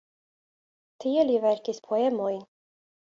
Tie li verkis poemojn.